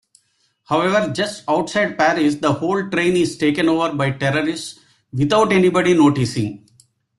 However, just outside Paris the whole train is taken over by terrorists-without anybody noticing.